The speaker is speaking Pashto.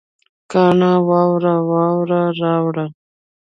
کاڼه واړه اوړه راوړل